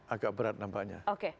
agak berat dampaknya oke